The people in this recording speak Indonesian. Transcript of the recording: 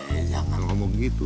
eh jangan ngomong gitu